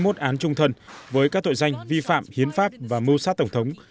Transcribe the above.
trong năm bốn mươi một án trung thân với các tội danh vi phạm hiến pháp và mưu sát tổng thống